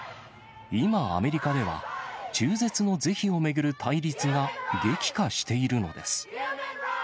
今、アメリカでは、中絶の是非を巡る対立が激化しているのです。